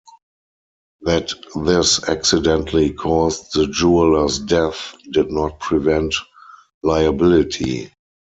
That this accidentally caused the jeweller's death did not prevent liability.